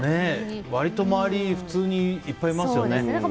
割と周りで普通にいっぱいいますよね。